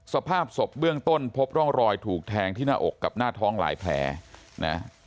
สภาพศพเบื้องต้นพบร่องรอยถูกแทงที่หน้าอกกับหน้าท้องหลายแผลนะ